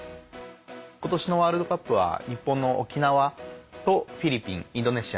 今年のワールドカップは日本の沖縄とフィリピンインドネシア